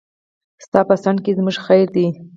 ستا په ځنډ کې زموږ خير دی.